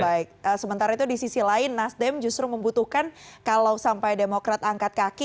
baik sementara itu di sisi lain nasdem justru membutuhkan kalau sampai demokrat angkat kaki